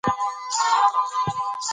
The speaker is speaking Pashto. افغانستان له جلګه ډک دی.